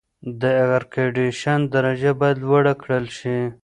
د اېرکنډیشن درجه باید لوړه کړل شي.